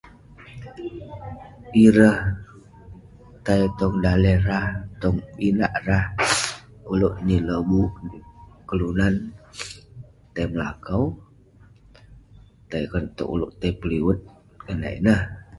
Ireh tai tong daleh rah, tong inak rah. Uleuk nin lobuk ,kelunan tai melakau ,tai konak to'rk ulouk tai peliwet, konak ineh..